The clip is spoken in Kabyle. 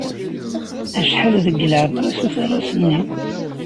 Acḥal deg leɛmer-is uterras-nni?